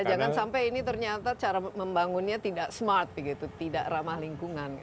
jangan sampai ini ternyata cara membangunnya tidak smart begitu tidak ramah lingkungan